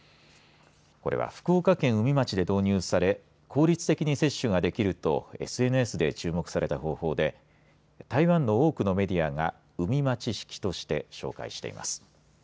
これは福岡県宇美町で導入され効率的に接種ができるとＳＮＳで注目された方法で台湾の多くのメディアが宇美町式として紹介しています。